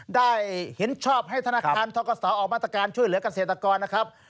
ได้เห็นชอบให้ธนาคารทกศออกมาตรการช่วยเหลือกเกษตรกรนะครับ